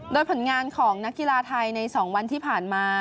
โดยผลงานของนักกีฬาไทยใน๒วันที่ผ่านมา